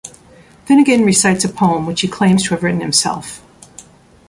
Finnegan recites a poem which he claims to have written himself.